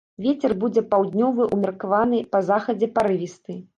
Вецер будзе паўднёвы ўмеркаваны, па захадзе парывісты.